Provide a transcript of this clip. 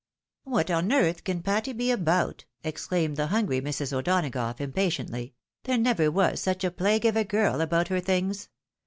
" What' on earth can Patty be about ?" exclaimed the hungry Mrs. O'Donagough, impatiently. ".There never was such a plague of a girl about her things